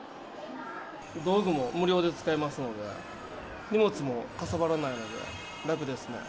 道具も無料で使えますので、荷物もかさばらないので、楽ですね。